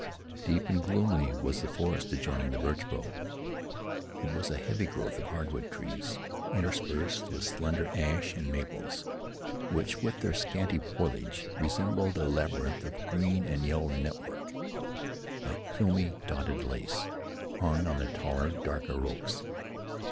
Deep and gloomy was the forest adjoining the birch grove. It was a heavy growth of hardwood trees, interspersed with slender ash and maples, which with their scanty foliage resembled a labyrinth of green and yellow network, like filmy dotted lace, hung on the taller, darker oaks.